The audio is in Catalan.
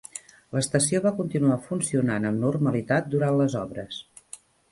L'estació va continuar funcionant amb normalitat durant les obres.